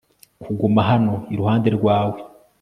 kuguma hano iruhande rwawe